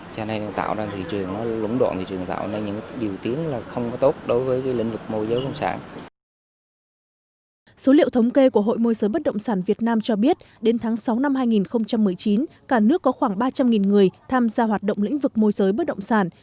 số liệu thống kê của hội môi giới bất động sản việt nam cho biết đến tháng sáu năm hai nghìn một mươi chín cả nước có khoảng ba trăm linh người tham gia hoạt động lĩnh vực môi giới bất động sản